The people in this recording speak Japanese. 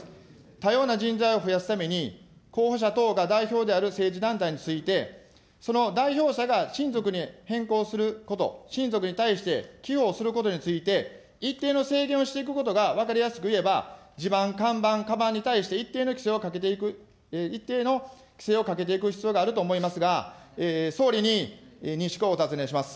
多様な人材を増やすために、候補者等が代表である政治団体について、その代表者が親族に変更すること、親族に対してすることについて、一定の制限をしていくことが、分かりやすくいえば、地盤、看板、かばんに対して一定の規制をかけていく、一定の規制をかけていく必要があると思いますが、総理に認識をお尋ねいたします。